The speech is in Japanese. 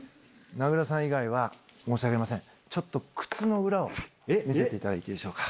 名倉さん以外は、申し訳ありません、ちょっと靴の裏を見せていただいていいでしょうか。